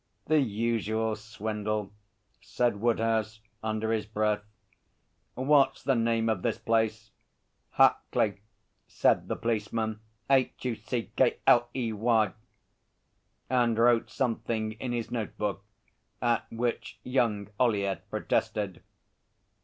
'The usual swindle,' said Woodhouse under his breath. 'What's the name of this place?' 'Huckley,' said the policeman. 'H u c k l e y,' and wrote something in his note book at which young Ollyett protested.